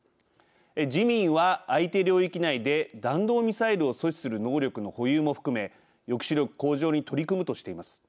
自民は、相手領域内で弾道ミサイルを阻止する能力の保有も含め抑止力向上に取り組むとしています。